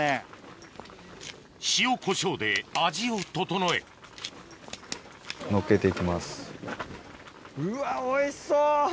塩こしょうで味を調えうわおいしそう！